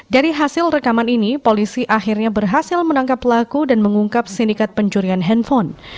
dari hasil rekaman ini polisi akhirnya berhasil menangkap pelaku dan mengungkap sindikat pencurian handphone